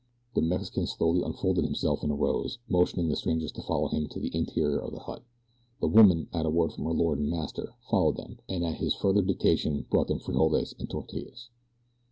The Mexican slowly unfolded himself and arose, motioning the strangers to follow him into the interior of the hut. The woman, at a word from her lord and master, followed them, and at his further dictation brought them frijoles and tortillas.